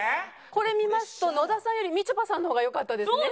これ見ますと野田さんよりみちょぱさんの方がよかったですね。